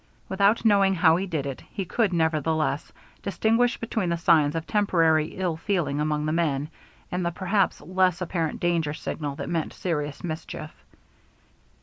Without knowing how he did it, he could, nevertheless, distinguish between the signs of temporary ill feeling among the men and the perhaps less apparent danger signal that meant serious mischief.